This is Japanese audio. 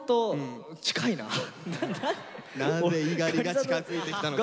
何で猪狩が近づいてきたのか。